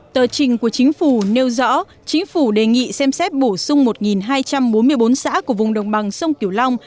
tờ trình của chính phủ nêu rõ chính phủ đề nghị xem xét bổ sung một hai trăm bốn mươi bốn xã của vùng đồng bằng sông kiểu long